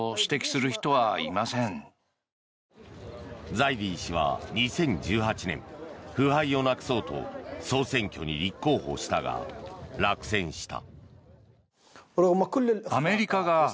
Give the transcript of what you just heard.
ザイディ氏は２０１８年腐敗をなくそうと総選挙に立候補したが落選した。